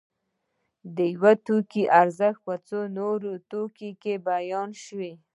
د یو توکي ارزښت په څو نورو توکو کې بیان شوی